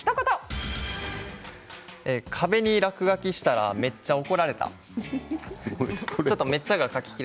壁に落書きしたらめっちゃ怒られた。